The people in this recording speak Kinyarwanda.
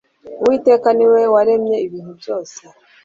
uwiteka niwe waremye ibintu byose